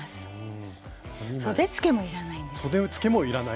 そでつけもいらないんです。